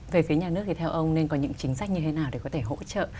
về phía nhà nước thì theo ông nên có những chính sách như thế nào để có thể hỗ trợ